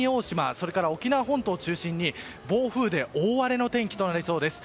それから沖縄本島中心に暴風雨で大荒れの天気になりそうです。